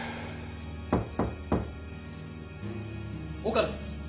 ・岡です。